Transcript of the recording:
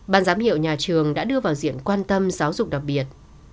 ban giám hiệu nhà trường đã đưa vào diện quan tâm giáo dục đặc biệt